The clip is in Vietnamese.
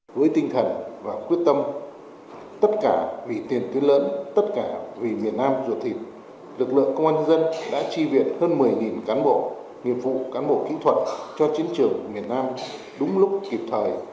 với tinh thần và quyết tâm tất cả vì tiền tuyến lớn tất cả vì miền nam ruột thịt lực lượng công an dân đã chi viện hơn một mươi cán bộ nghiệp vụ cán bộ kỹ thuật cho chiến trường miền nam đúng lúc kịp thời